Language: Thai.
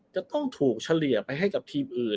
จะต้องถูกเฉลี่ยไปให้กับทีมอื่น